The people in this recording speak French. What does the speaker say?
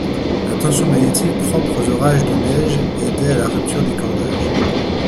La tension magnétique propre aux orages de neige aidait à la rupture des cordages.